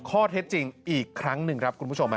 ข้อเท็จจริงอีกครั้งหนึ่งครับคุณผู้ชม